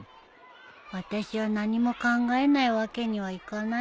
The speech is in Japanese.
あたしは何も考えないわけにはいかないんだよ